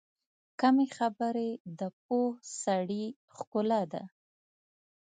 کمې خبرې، د پوه سړي ښکلا ده.